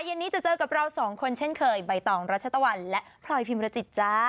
เย็นนี้จะเจอกับเราสองคนเช่นเคยใบตองรัชตะวันและพลอยพิมรจิตจ้า